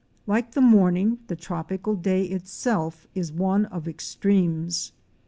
Like the morning, the tropical day itself is one of extremes.